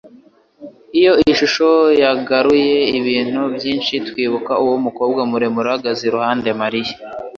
Iyo shusho yagaruye ibintu byinshi twibuka Uwo mukobwa muremure uhagaze iruhande Mariya.